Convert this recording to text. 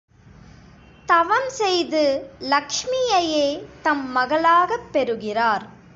தவம் செய்து லக்ஷ்மியையே தம் மகளாகப் பெறுகிறார்.